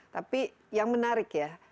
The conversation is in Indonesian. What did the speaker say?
tapi yang menarik ya